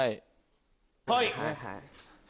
はい。